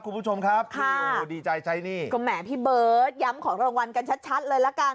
คุณผู้ชมครับค่ะโอ้โหดีใจใช้หนี้ก็แหมพี่เบิร์ตย้ำของรางวัลกันชัดชัดเลยละกัน